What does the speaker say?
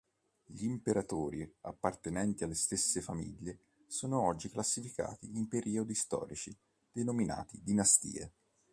Gli imperatori appartenenti alle stesse famiglie sono oggi classificati in periodi storici denominati dinastie.